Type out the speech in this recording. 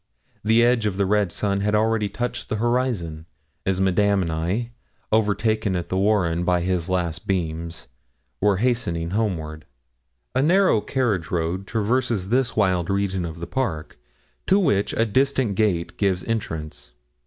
The edge of the red sun had already touched the horizon as Madame and I, overtaken at the warren by his last beams, were hastening homeward. A narrow carriage road traverses this wild region of the park, to which a distant gate gives entrance.